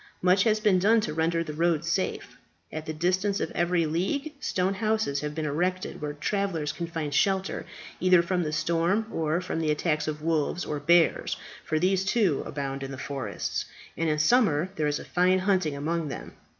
Much has been done to render the road safe. At the distance of every league stone houses have been erected, where travellers can find shelter either from the storm or from the attacks of wolves or bears, for these, too, abound in the forests, and in summer there is fine hunting among them.